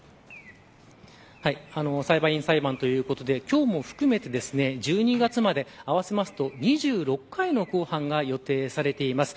裁判員裁判ということで今日も含めて１２月まで合わせますと２６回の公判が予定されています。